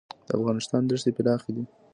د افغانستان دښتې پراخې دي